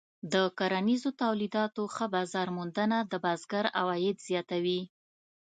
د کرنیزو تولیداتو ښه بازار موندنه د بزګر عواید زیاتوي.